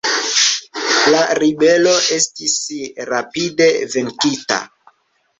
La ribelo estis rapide venkita.